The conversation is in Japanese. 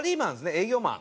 営業マン。